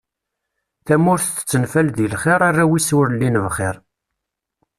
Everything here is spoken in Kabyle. Tamurt tettenfal deg lxir, arraw-is ur llin bxir.